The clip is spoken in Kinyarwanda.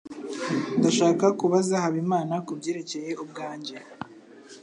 Ndashaka kubaza Habimana kubyerekeye ubwanjye.